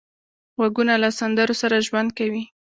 غوږونه له سندرو سره ژوند کوي